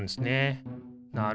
なるほど。